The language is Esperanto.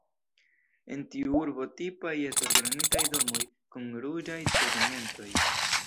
En tiu urbo tipaj estas granitaj domoj kun ruĝaj tegmentoj.